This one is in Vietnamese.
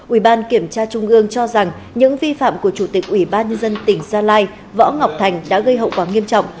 ủy ban kiểm tra trung ương cho rằng những vi phạm của chủ tịch ủy ban nhân dân tỉnh gia lai võ ngọc thành đã gây hậu quả nghiêm trọng